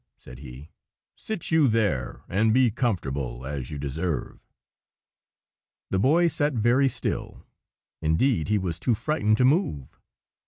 he said, "sit you there and be comfortable, as you deserve." The Boy sat very still; indeed, he was too frightened to move.